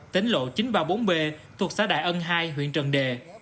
tính lộ chín trăm ba mươi bốn b thuộc xã đại ân hai huyện trần đề